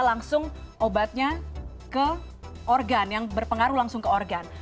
langsung obatnya ke organ yang berpengaruh langsung ke organ